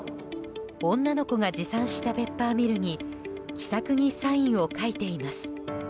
女の子が持参したペッパーミルに気さくにサインを書いています。